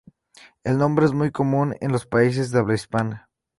El nombre es muy común en los países de habla hispana.